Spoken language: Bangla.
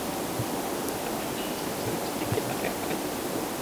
তারা অস্ত্রের মুখে ভয়ভীতি দেখিয়ে শেফালিকে বাড়ি থেকে তুলে নিয়ে যায়।